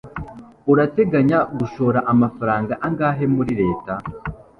urateganya gushora amafaranga angahe muri leta